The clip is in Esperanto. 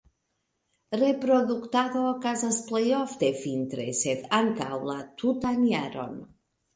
Reproduktado okazas plej ofte vintre, sed ankaŭ la tutan jaron.